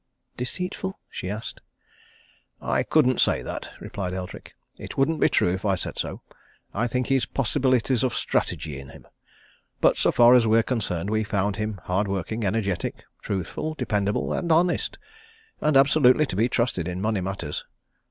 "Deceitful?" she asked. "I couldn't say that," replied Eldrick. "It wouldn't be true if I said so. I think he's possibilities of strategy in him. But so far as we're concerned, we found him hardworking, energetic, truthful, dependable and honest, and absolutely to be trusted in money matters.